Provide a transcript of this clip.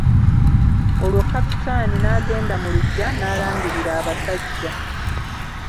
Olwo Kapitaani n'agenda mu luggya n'alangirira abasajja.